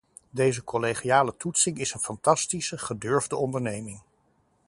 Deze collegiale toetsing is een fantastische, gedurfde onderneming.